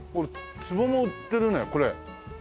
壺も売ってるねこれ。